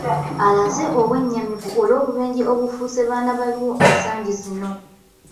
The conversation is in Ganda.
Alaze obwennyamivu olw'obubenje obufuuse baana baliwo ensangi zino